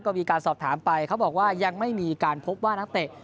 ก็มีการสอบถามไปเขาบอกว่ายังไม่มีการพบว่านักเตะ